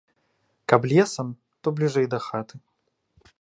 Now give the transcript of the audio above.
Каб лесам, то бліжэй да хаты.